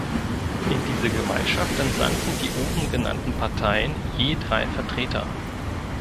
In diese Gemeinschaft entsandten die oben genannten Parteien je drei Vertreter.